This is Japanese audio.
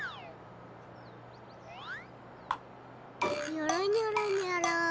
にょろにょろにょろ。